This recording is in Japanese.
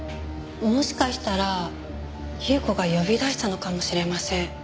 もしかしたら優子が呼び出したのかもしれません。